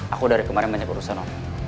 aku dari kemarin banyak urusan